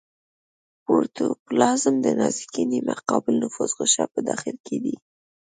پروتوپلازم د نازکې نیمه قابل نفوذ غشا په داخل کې دی.